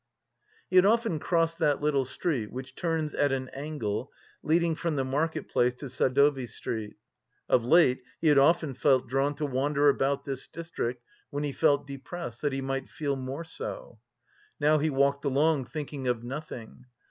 He had often crossed that little street which turns at an angle, leading from the market place to Sadovy Street. Of late he had often felt drawn to wander about this district, when he felt depressed, that he might feel more so. Now he walked along, thinking of nothing.